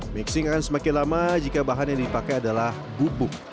mixing akan semakin lama jika bahan yang dipakai adalah bubuk